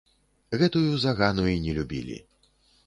Гэтую загану і не любілі.